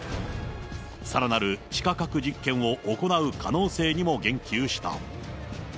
さらなる地下核実験を行う可能性にも言及した。